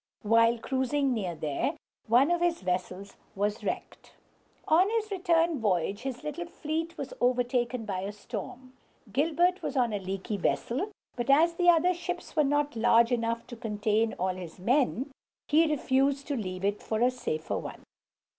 While cruising near there, one of his vessels was wrecked. On his return voyage his little fleet was overtaken by a storm. Gilbert was on a leaky vessel, but as the other ships were not large enough to contain all his men, he refused to leave it for a safer one.